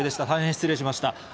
大変失礼しました。